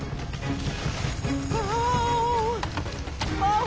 ああ！